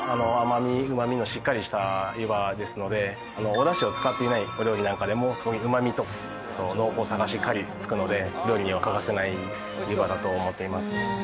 やっぱりおだしを使っていないお料理なんかでもそこにうまみと濃厚さがしっかりつくので料理には欠かせない湯葉だと思っています。